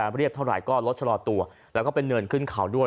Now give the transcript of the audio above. เรียบเท่าไหร่ก็รถชะลอตัวแล้วก็เป็นเนินขึ้นเขาด้วย